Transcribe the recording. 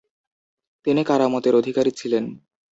তিনি কারামতের অধিকারী ছিলেন।